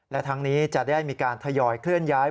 และทั้งนี้จะได้มีการทยอยเคลื่อนย้าย